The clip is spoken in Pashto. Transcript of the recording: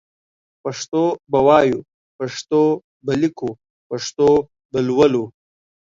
پښتو به وايو پښتو به ليکو پښتو به لولو